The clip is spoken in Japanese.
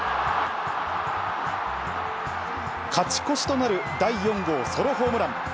勝ち越しとなる第４号ソロホームラン。